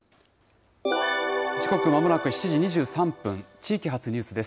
時刻、まもなく７時２３分、地域発ニュースです。